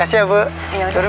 pas ketemu ibu sama fikur nanti